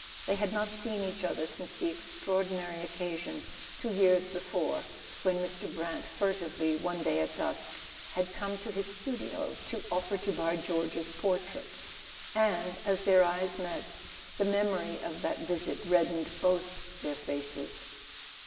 They had not seen each other since the extraordinary occasion, two years before, when Mr. Brant, furtively one day [ 22 ] A SON AT THE FRONT at dusk, had come to his studio to offer to buy George's portrait; and, as their eyes met, the memory of that visit reddened both their faces.